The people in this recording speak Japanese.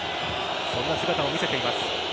そんな姿を見せています。